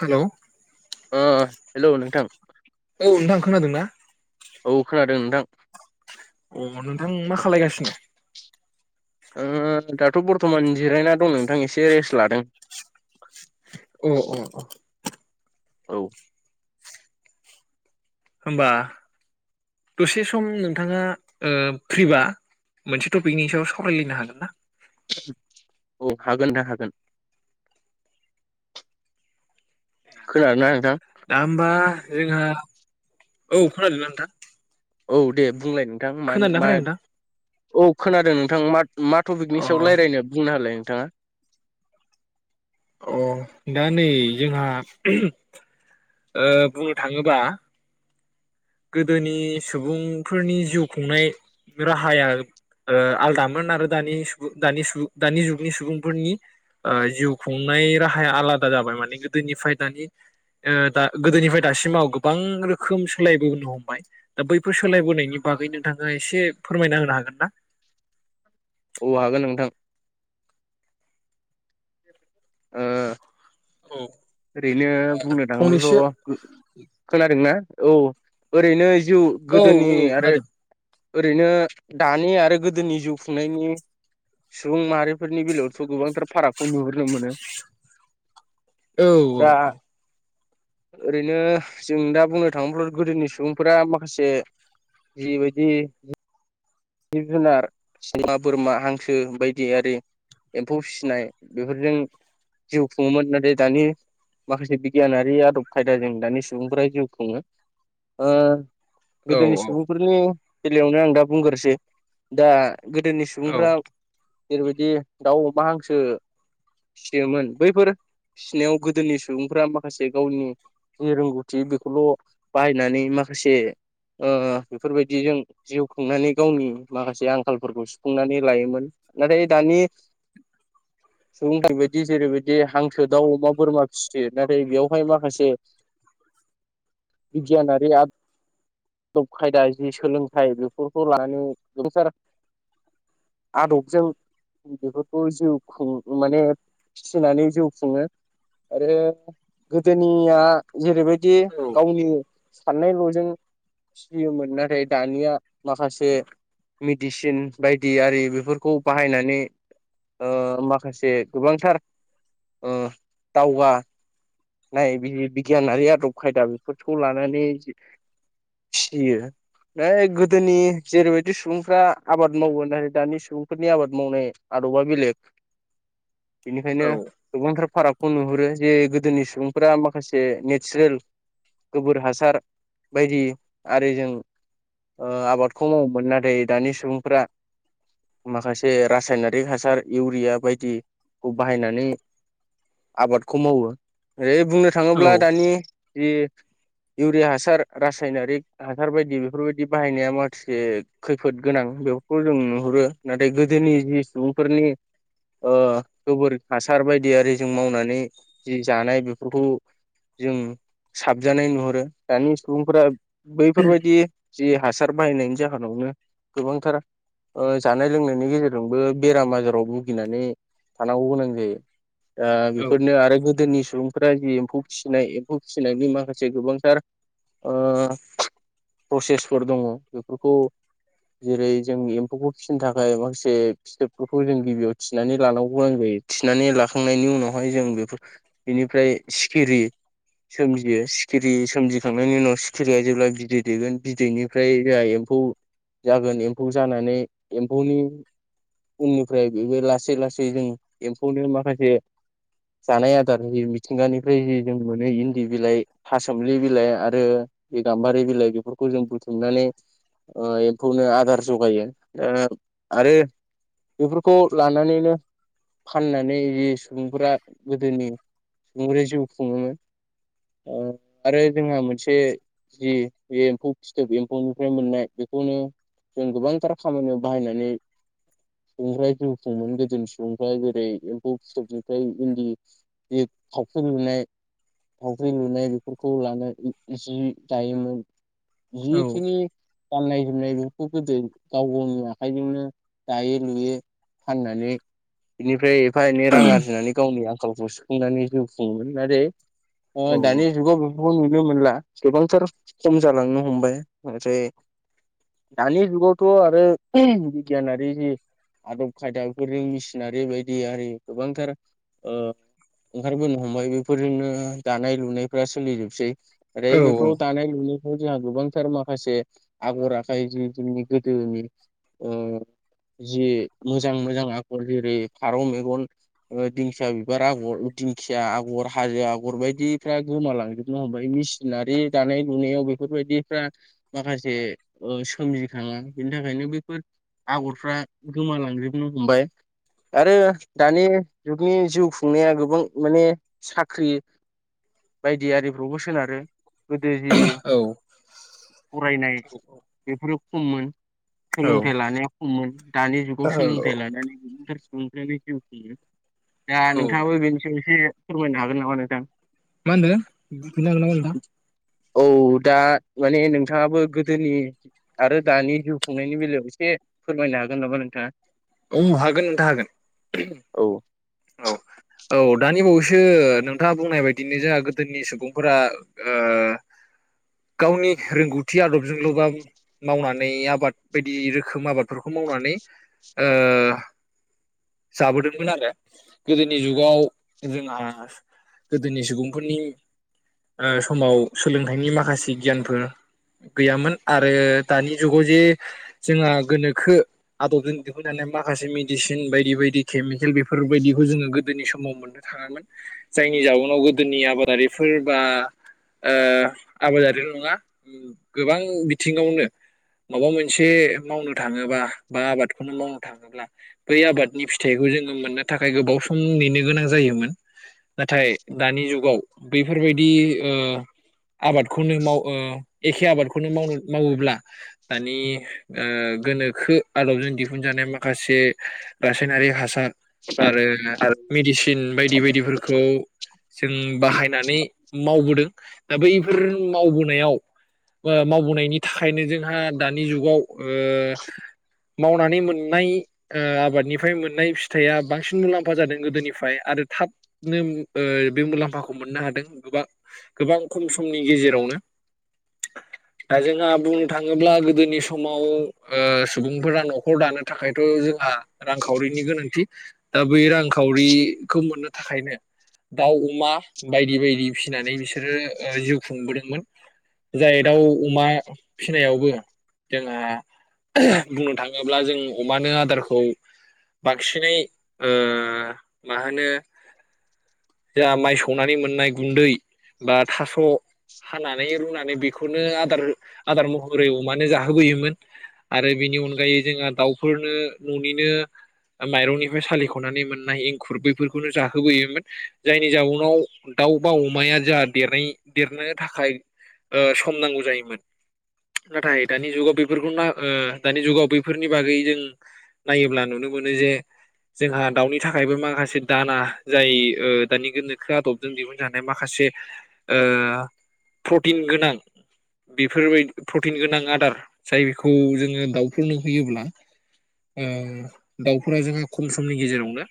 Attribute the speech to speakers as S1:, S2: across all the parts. S1: Hello.
S2: ओ hello नोंथां।
S1: औ नोंथां खोनादों ना?
S2: औ खोनादों नोंथां।
S1: अ नोंथां मा खालायगासिनो?
S2: ओ दाथ' बरथमान जिरायना दं नोंथां एसे रेस्ट लादों।
S1: अ अ अ।
S2: औ।
S1: होमबा दसे सम नोंथाङा ओ फ्रिबा मोनसे टपिकनि सायाव सावरायलायनो हागोन ना?
S2: औ हागोन नोंथां हागोन। खोना दोंना नोंथां?
S1: दा होमबा जोंहा औ खोनादों ना नोंथां?
S2: औ दे। बुंलाय नोंथां मानि
S1: खोनादोंना
S2: मा
S1: खोनायाखै नोंथां
S2: औ खोनादों नोंथां मा-मा
S1: अ
S2: टपिकनि सायाव लायरायनो बुंना होलाय थाङा?
S1: अ दा नै जोंहा ओ बुंनो थाङोबा गोदोनि सुबुंफोरनि जिउ खुंनाय राहाया ओ आलदामोन आरो दानि सुबुं दानि सु-दानि सु दानि जुगनि सुबुंफोरनि ओ जिउ खुंनाय राहाया आलादा जाबाय माने गोदोनिफ्राय दानि ओ दा गोदोनिफ्राय दासिमाव गोबां रोखोम सोलायबो हमबाय दा बैफोर सोलायबोनायनि बागै नोंथाङा एसे फोरमायना होनो हागोन ना?
S2: औ हागोन नोंथां। ओ
S1: औ
S2: ओरैनो बुंनो
S1: फंनैसो
S2: थाङोब्लाथ' खोनादोंना? औ ओरैनो जिउ
S1: औ
S2: गोदोनि
S1: औ
S2: आरो
S1: खोनादों
S2: ओरैनो दानि आरो गोदोनि जिउ खुंनायनि सुबुं माहारि फोरनि बेलायावथ' गोबांथार फारागखौ नुहुरनो मोनो।
S1: औ औ
S2: दा
S1: औ।
S2: ओरैनो जों दा बुंनो थाङोब्ला गोदोनि सुबुंफोरा माखासे जिबायदि जिब जुनार, सैमा, बोरमा, हांसो बायदियारि एम्फौ फिसिनाय बेफोरजों जिउ खुङोमोन नाथाय दानि माखासे बिगियानारि आदब खायदाजों दानि सुबुंफोरा जिउ खुङो ओ
S1: औ
S2: गोदोनि सुबुंफोरनि बेलायावनो आं दा बुंग्रोसै दा गोदोनि
S1: औ
S2: सुबुंफ्रा जेरैबायदि दाउ, अमा, हांसो फिसियोमोन बैफोर फिसिनायाव गोदोनि सुबुंफोरा माखासे गावनि जि रोंगौथि बेखौल' बाहायनानै माखासे बेफोरबायदिजों जिउ खुंनानै गावनि माखासे आंखालफोरखौ सुफुंनानै लायोमोन नाथाय दानि सुबुंफोरबायदि जेरैबायदि हांसो, दाउ, अमा, बोरमा फिसियो नाथाय बेयावहाय माखासे बिगियानारि आ दब खायदा जि सोलोंथाइ बेफोरखौ लानानै गोबांसार आदबजों बेफोरखौ जिउ खुं माने फिसिनानै जिउ खुङो आरो गोदोनिया जेरैबायदि दि
S1: औ
S2: गावनि साननायल'जों फियोमोन नाथाय दानिया माखासे मेडिसिन बायदि आरि बेफोरखौ बाहायनानै ओ माखासे गोबांथार ओ दावगानाय बि- बिगियानारि आदब खायदा बेफोरखौ लानानै फिसियो गोदोनि जेरैबायदि सुबुंफ्रा आबाद मावो नाथाय दानि सुबुंफोरनि आबाद मावनाय आदबा बेलेग। बेनिखायनो गोबांथार फारागखौ नुहुरो जे गोदोनि सुबुंफोरा माखासे नेचारेल गोबोर हासार बायदि आरिजों ओ आबादखौ मावोमोन नाथाय दानि सुबुंफ्रा माखासे रासायनारिक हासार इउरिया बायदिखौ बाहायनानै आबादखौ मावो। ओरै बुंनो
S1: औ
S2: थाङोब्ला दानि जि इउरिया हासार रासायनारिक हासार बायदि बेफोरबायदि बाहायनाया माखासे खैफोद गोनां बेफोरखौ जों नुहुरो नाथाय गोदोनि जि सुबुंफोरनि ओ गोबोर हासार बायदि आरि जों मावनानै जि जानाय बेफोरखौ जों साबजानाय नुहुरो दानि सुबुंफोरा बैफोरबायदि जि हासार बाहायनायनि जाहोनावनो गोबांथार ओ जानाय लोंनायनि गेजेरजोंबो बेराम आजाराव भुगिनानै थानांगौ गोनां जायो। दा बेफोरनो आरो गोदोनि सु सुबुंफोरा जि एम्फौ फिसिनाय एम्फौ फिसिनायनि माखासे गोबांथार ओ प्रसेसफोर दङ बेफोरखौ जेरै जों एम्फौखौ फिसिनो थाखाय माखासे फिथोबफोरखौ जों गिबियाव थिनानै लानांगौ गोनां जायो थिनानै लाखांनायनि उनावहाय जों बेफोर बेनिफ्राय सिखिरि सोमजियो सिखिरि सोमजिखांनायनि उनाव सिखिरिया जेब्ला बिदै दैगोन बिदैनिफ्राय जोंहा एम्फौ जागोन एम्फौ जानानै एम्फौनि उननिफ्राय बेबो लासै लासै जों एम्फौनो माखासे जानाय आदार होयो मिथिंगानिफ्राय जि जों मोनो इन्दि बिलाइ, थासुमलि बिलाइ आरो बे गाम्बारि बिलाइ बेफोरखौ जों बुथुमनानै एम्फौनो आदार जगायो ओ आरो बेफोरखौ लानानैनो फाननानै जि सुबुंफोरा गोदोनि सुबुंफोरा जिउ खुङोमोन ओ आरो जोंहा मोनसे जि बे एम्फौ फिथोब एम्फौनिफ्राय मोननाय बेखौनो जों गोबांथार खामानियाव बाहायनानै सुबुंफ्रा जिउ खुङोमोन गोदोनि सुबुंफ्रा जेरै एम्फौ फिथोबनिफ्राय इन्दि जि थावख्रि लुनाय थावख्रि लुनाय बेफोरखौ लानानै जि दायोमोन। जिखिनि गाननाय जोमनाय बेफोरखौ गोदो गाव गावनि आखाइजोंनो दायो लुयो फाननानै बेनिफ्राय एफा एनै रां आरजिनानै गावनि आं खालखौ सुफुंनानै जिउ खुङोमोन नाथाय अ
S1: औ
S2: दानि जुगाव नुनो मोनला। गोबांथार खम जालांनो हमबाय ओमफ्राय दानि जुगावथ' आरो बिगियानारि जि आदब खायदा बेफोरजों मेसिनारि बायदि आरि गोबांथार ओ ओंखारबोनो हमबाय बेफोरजोंनो दानाय लुनायफ्रा सोलिजोबसै। ओरै बिफ्राव दानाय लुनाय खौ जोंहा गोबांथार माखासे आगर आखाय जि जोंनि गोदोनि जि मोजां मोजां आगर जेरै फारौ मेगन, दिंखिया बिबार आगर, दिंखिया आगर, हाजो आगर बायदिफ्रा गोमालांजोबनो हमबाय मि सिनारि दानाय लुनायाव बेफोरबायदिफ्रा माखासे सोमजिखाङा बेनि थाखायनो बेफोर आगरफ्रा गोमालांजोबनो हमबाय आरो दानि जुगनि जिउ खुंनाया गोबां माने साख्रि बायदि आरिफ्रावबो सोनारो। गोदो जि
S1: औ
S2: फरायनाय बेफोरो खममोन। सोलोंथाइ लानाया खममोन। दानि जुगाव सोलोंथाइ लानानै गोबां [unintelligible] जिउ खुङो। दा नोंथाङाबो बेनि सायाव एसे फोरमायनो हागोन नामा नोंथां?
S1: मा होनदों बुंफिननो हागोन नामा नोंथां?
S2: औ दा माने नोंथाङाबो गोदोनि आरो दानि जिउ खुंनायनि बेलायाव एसे फोरमायनो हागोन नामा नोंथाङा।
S1: उम हागोन नोंथां हागोन
S2: औ
S1: औ औ दानि बावैसो सो नोंथाङा बुंनाय बायदिनो जोंहा गोदोनि सुबुंफोरा ओ गावनि रोंगौथि आदबजोंल बा मावनानै आबाद बायदि रोखोम आबादफोरखौ मावनानै ओ जाबोदोंमोन आरो गोदोनि जुगाव जोंहा गोदोनि सुबुंफोरनि समाव सोलोंथाइनि माखासे गियानफोर गैयामोन आरो दानि जुगाव जे जोंहा गोनोखो आदबजों दिहुनजानाय माखासे मेडिसिन बायदि बिदि बायदि केमिकेल बेफोरबायदिखौ जोङो गोदोनि समाव मोननो थाङामोन जायनि जाउनाव गोदोनि आबादारिफोर बा ओ आबादारिल' नङा उम गोबां बिथिङावनो माबा मोनसे मावनो थाङोबा बा आबादखौनो मावनो थाङोब्ला बै आबाद नि फिथाइखौ जोङो मोननो थाखाय गोबाव सम नेनो गोनां जायोमोन नाथाय दानि जुगाव बैफोरबायदि ओ आबादखौनो माव ओ एखे आबादखौनो मावनो-मावोब्ला दानि ओ गोनोखो आदबजों दिहुनजानाय माखासे रासायनारि हासार आरो
S2: आरो
S1: मेडिसिन बायदि बायदिफोरखौ जों बाहायनानै मावबोदों दा बैफोर मावबोनायाव बा मावबोनायनि थाखायनो जोंहा दानि जुगाव ओ मावनानै मोननाय ओ आबाद निफ्राय मोननाय फिथाइआ बांसिन मुलाम्फा जादों गोदोनिफ्राय आरो थाबनो बे मुलाम्फाखौ मोननो हादों गोबां गोबां खम समनि गेजेरावनो दा जोंहा बुंनो थाङोब्ला गोदोनि समाव ओ सुबुंफोरा न'खर दानो थाखायथ' जोंहा रांखावरिनि गोनांथि ओ बै रांखावरिखौ मोननो थाखायनो दाउ अमा बायदि बायदि फिनानै बिसोरो जिउ खुंबोदोंमोन जाय दाउ अमा फिनायावबो जोंहा बुंनो थाङोब्ला जों अमानो आदारखौ बांसिनै ओ मा होनो जा माइ सौनानै मोननाय गुन्दै बा थास' हानानै रुनानै बेखौनो आदार आदार महरै अमानो जाहोबोयोमोन आरो बेनि अनगायै जोंहा दाउफोरनो न' दिनो माइरंनिफ्राय सालिख'नानै मोननाय एंखुर बेैफोरखौनो जाहोबोयोमोन जायनि जाउनाव दाउ बा अमाया जा देरै-देरनो थाखाय सम नांगौ जायोमोन नाथाय दानि जुगाव बेफोरखौ ना दानि जुगाव बैफोरनि बागै जों नायोब्ला नुनो मोनो जे जोंहा दाउनि थाखायबो माखासे दाना जाय दानि गोनोखो आदबजों दिहुनजानाय माखासे प्रटिन गोनां बेफोरबायद प्रटिन गोनां आदार जायखौ जोङो दाउफोरनो होयोब्ला ओ दाउफोरा जोंहा खम समनि गेजेरावनो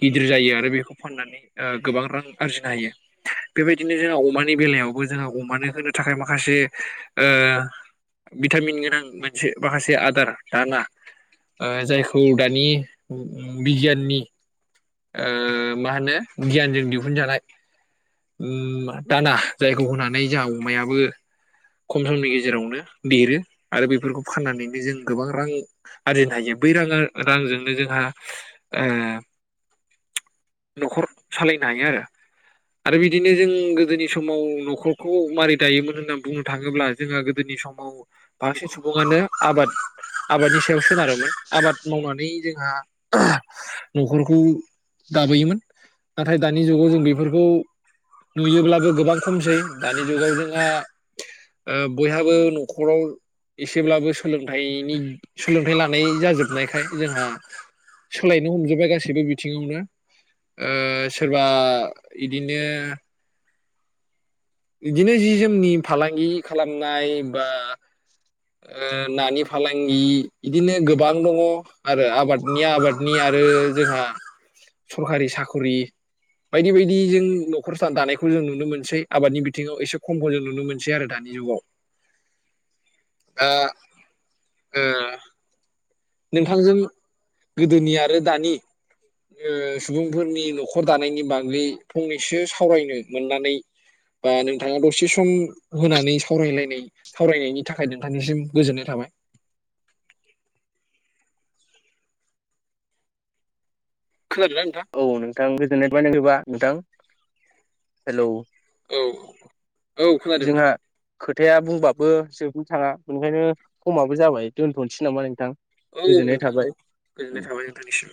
S1: गिदिर जायो आरो बेखौ फाननानै गोबां रां आरजिनो हायो बेबायदिनो जोंहा अमानि बेलायावबो जोंहा अमानो होनो थाखाय माखासे भिटामिन गोनां मोनसे माखासे आदार दाना जायखौ दानि बिगियाननि ओ मा होनो गियानजों दिहुनजानाय ओ दाना जायखौ होनानै जोंहा अमायाबो खम समनि गेजेरावनो देरो आरो बेफोरखौ फाननानैनो जों गोबां रां आरजिनो हायो बै रां रांजोंनो जोंहा ओ न'खर सालायनो हायो आरो आरो बिदिनो जों गोदोनि समाव न'खरखौ मारै दायोमोन होननानै बुंनो थाङोब्ला जोंहा गोदोनि समाव बांसिन सुबुङानो आबाद आबादनि सायाव सोनारोमोन आबाद मावनानै जोंहा न'खरखौ दाबोयोमोन नाथाय दानि जुगाव जों बेफोरखौ नुयोब्लाबो गोबां खमसै दानि जुगाव जोंहा बयहाबो न'खराव एसेब्लाबो सोलोंथाइनि सोलोंथाइ लानाय जाजोबनायखाय जोंहा सोलायनो हमजोबबाय गासैबो बिथिङावनो सोरबा इदिन बेे बिदिनो जि जोमनि फालांगि खालाम नाय बा ओ नानि फालांगि बिदिनो गोबां दङ आरो आबादनिया आबादनि आरो जोंहा सरखारि साखरि बायदि बायदि जों न'खरसा दानायखौ जों नुनो मोनसै आबादनि बिथिङाव एसे खमखौ जों नुनो मोनसै आरो दानि जुगाव। दा ओ नोंथांजों गोदोनि आरो दानि ओ सुबुंफोरनि न'खर दानायनि बागै फंनैसो सावरायनो मोननानै बा नोंथाङा दसे सम होनानै सावरायलायनाय सावरायनायनि थाखाय नोंथांनिसिम गोजोननाय थाबाय। खोनादोंना नोंथां
S2: औ नोंथां गोजोननाय बानायगौबा नोंथां हेलौ
S1: औ औ खोनादों नोंथां
S2: जोंहा खोथाया बुंबाबो जोबनो थाङा ओंखायनो समाबो जाबाय दोनथ'नोसै नामा नोंथां
S1: औ
S2: गोजोननाय
S1: नोंथां
S2: थाबाय।
S1: गोजोननाय थाबाय नोंथांनिसिम।